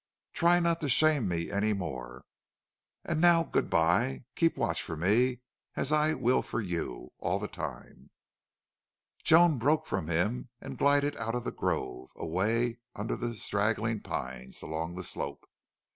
Try not to shame me any more.... And now good by. Keep watch for me as I will for you all the time." Joan broke from him and glided out of the grove, away under the straggling pines, along the slope.